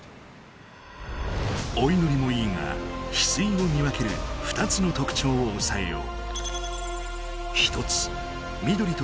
おいのりもいいがヒスイを見分ける２つのとくちょうをおさえよう。